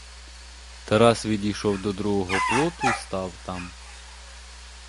Тарас відійшов до другого плоту й став там.